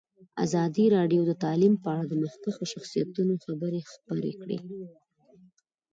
ازادي راډیو د تعلیم په اړه د مخکښو شخصیتونو خبرې خپرې کړي.